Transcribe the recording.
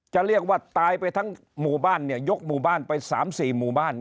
จะเรียกว่าตายไปทั้งหมู่บ้านเนี่ยยกหมู่บ้านไป๓๔หมู่บ้าน